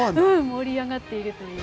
盛り上がっているという。